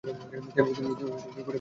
তিনি গুডিভ পদক লাভ করেন।